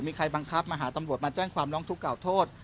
มีใครบังคับมาหาตำรวจมาแจ้งความร้องทุกข่าโทษ